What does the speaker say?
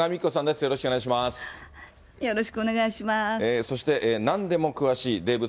よろしくお願いします。